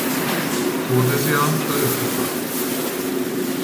Todesjahr, veröffentlicht.